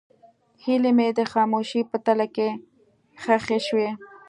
هیلې مې د خاموشۍ په تله کې ښخې شوې.